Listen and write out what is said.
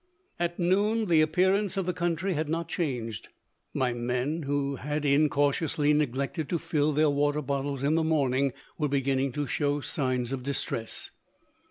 At noon the appearance of the country had not changed. My men, who had incautiously neglected to fill their water bottles in the morning, were beginning to show signs of distress.